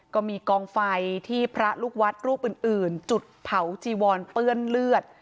ก็มีกองไฟที่พระลูกวัดรูปอื่นจุดเผาจีวอนเปื้อนเลือด